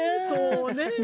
そうね。